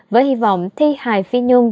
với hy vọng thi hài phi nhung